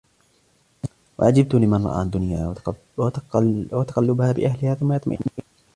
وَعَجِبْت لِمَنْ رَأَى الدُّنْيَا وَتَقَلُّبَهَا بِأَهْلِهَا ثُمَّ يَطْمَئِنُّ إلَيْهَا